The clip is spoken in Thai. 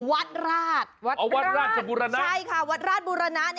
วัดราชวัดเอาวัดราชบุรณะใช่ค่ะวัดราชบุรณะ